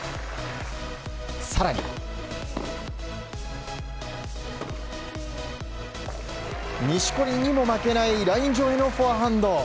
更に、錦織にも負けないライン上へのフォアハンド。